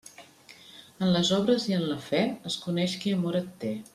En les obres i en la fe, es coneix qui amor et té.